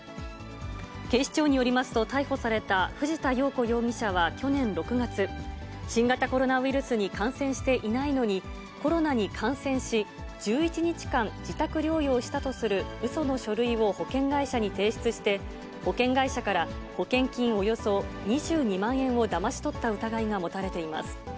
警視庁によりますと、逮捕された藤田容子容疑者は去年６月、新型コロナウイルスに感染していないのに、コロナに感染し、１１日間自宅療養したとする、うその書類を保険会社に提出して、保険会社から、保険金およそ２２万円をだまし取った疑いが持たれています。